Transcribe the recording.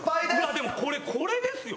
でもこれですよ？